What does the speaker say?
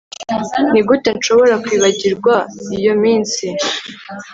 nigute nshobora kwibagirwa iyo minsi